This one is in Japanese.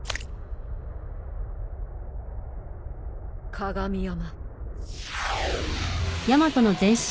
鏡山。